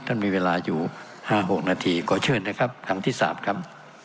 ท่านมีเวลาอยู่ห้าหกนาทีกอเชิญนะครับครั้งที่สามครับ